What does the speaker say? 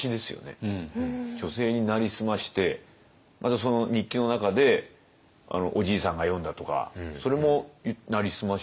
女性に成り済ましてまたその日記の中でおじいさんが詠んだとかそれも成り済まし？